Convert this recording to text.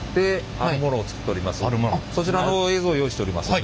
そちらの映像を用意しておりますので。